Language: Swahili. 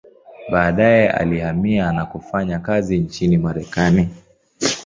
Baadaye alihamia na kufanya kazi nchini Marekani.